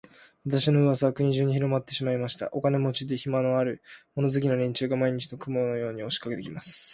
私の噂は国中にひろまってしまいました。お金持で、暇のある、物好きな連中が、毎日、雲のように押しかけて来ます。